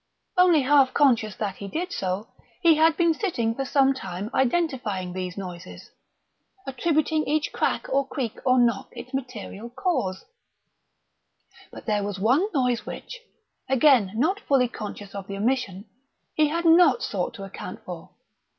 Only half conscious that he did so, he had been sitting for some time identifying these noises, attributing to each crack or creak or knock its material cause; but there was one noise which, again not fully conscious of the omission, he had not sought to account for.